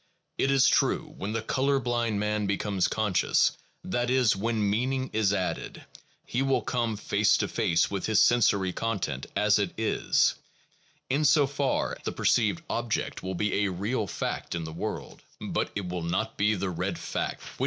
It is true, when the color blind man becomes conscious, that is, when meaning is added, he will come face to face with his sensory content as it is; in so far the perceived object will be a real fact in the world, but it will not be the red fact which his normal 1 See the works of the German realist E.